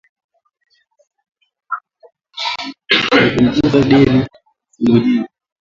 Mupunguza deni simujinga